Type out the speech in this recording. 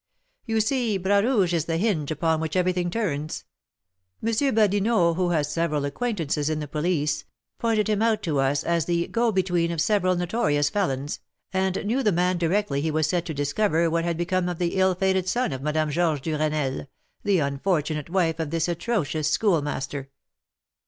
"You see, Bras Rouge is the hinge upon which everything turns. M. Badinot, who has several acquaintances in the police, pointed him out to us as the go between of several notorious felons, and knew the man directly he was set to discover what had become of the ill fated son of Madame Georges Duresnel, the unfortunate wife of this atrocious Schoolmaster."